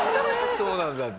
そうなんだって。